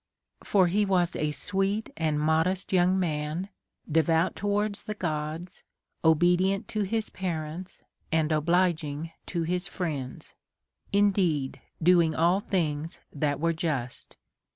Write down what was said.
For he was a sweet and modest yoiuig man, devout towards the Gods, obedient to his parents, and obliging to his friends ; indeed doing all things that were just.